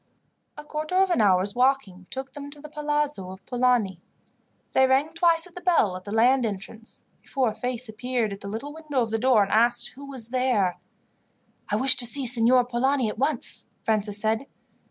A quarter of an hour's walking took them to the palazzo of Polani. They rang twice at the bell at the land entrance, before a face appeared at the little window of the door, and asked who was there. "I wish to see Signor Polani at once," Francis said.